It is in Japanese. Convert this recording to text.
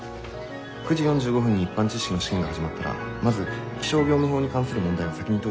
「９時４５分に一般知識の試験が始まったらまず気象業務法に関する問題を先に解いてください」。